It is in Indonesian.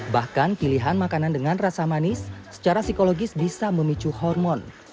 bahkan pilihan makanan dengan rasa manis secara psikologis bisa memicu hormon